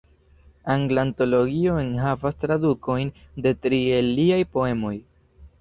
Angla Antologio enhavas tradukojn de tri el liaj poemoj.